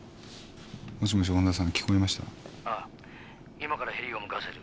今からヘリを向かわせる。